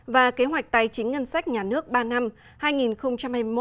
và kế hoạch tài chính ngân sách nhà nước ba năm hai nghìn hai mươi một hai nghìn hai mươi ba